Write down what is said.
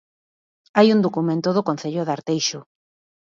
Hai un documento do Concello de Arteixo.